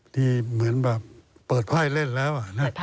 ที่เหมือนแบบเปิดไพ่เล่นแล้ว